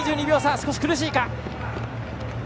少し苦しいか。